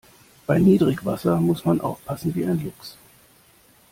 Bei Niedrigwasser muss man aufpassen wie ein Luchs.